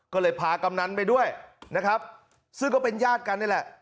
ก็เลยพากำนันไปด้วยนะครับซึ่งก็เป็นญาติกันนี่แหละ